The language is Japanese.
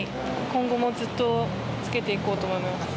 今後もずっと着けていこうと思います。